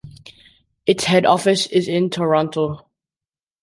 Its head office is in Toronto.